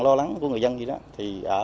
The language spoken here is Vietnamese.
lo lắng của người dân gì đó thì ở